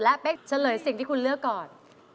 แล้วเป๊กก็ชัดเลยความนะที่คุณเลือกก่อน